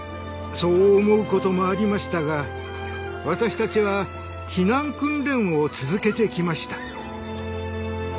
そう思うこともありましたが私たちは避難訓練を続けてきました。